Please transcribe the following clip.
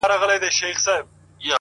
چي زما په لورې هغه سپينه جنگرکه راځې-